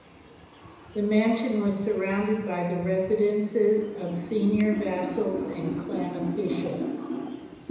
The mansion was surrounded by the residences of senior vassals and clan officials.